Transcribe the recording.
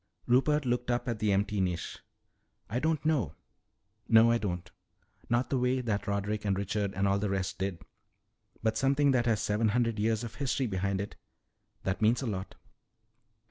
Rupert looked up at the empty niche. "I don't know No, I don't. Not the way that Roderick and Richard and all the rest did. But something that has seven hundred years of history behind it that means a lot."